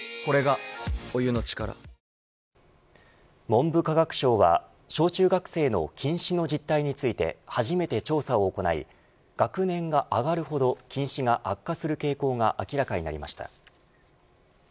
文部科学省は小中学生の近視の実態について初めて調査を行い学年が上がるほど近視が悪化する傾向が明らかになりました。